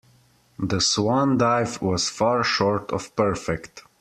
The swan dive was far short of perfect.